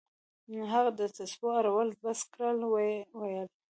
هغه د تسبو اړول بس كړل ويې ويل.